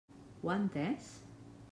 Ho ha entès?